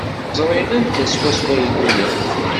Ur ẓrin anda swaswa ay lulen.